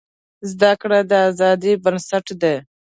زده کړه د ازادۍ بنسټ دی.